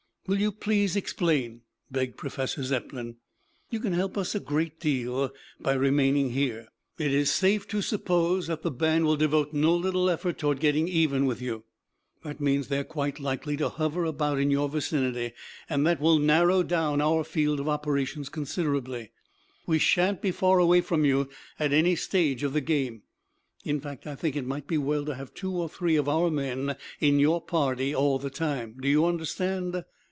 "Will you please explain?" begged Professor Zepplin. "You can help us a great deal, by remaining here. It is safe to suppose that the band will devote no little effort toward getting even with you. That means that they are quite likely to hover about in your vicinity. That will narrow down our field of operations considerably. We shan't be faraway from you at any stage of the game; in fact, I think it might be well to have two or three of our men in your party all the time. Do you understand?"